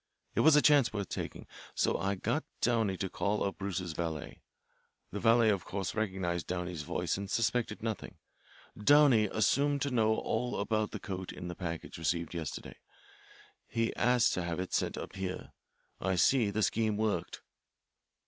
It was a chance worth taking, so I got Downey to call up Bruce's valet. The valet of course recognised Downey's voice and suspected nothing. Downey assumed to know all about the coat in the package received yesterday. He asked to have it sent up here. I see the scheme worked."